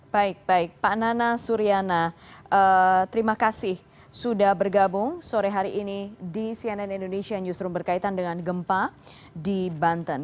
baik baik pak nana suryana terima kasih sudah bergabung sore hari ini di cnn indonesia newsroom berkaitan dengan gempa di banten